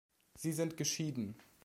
Sie sind geschieden.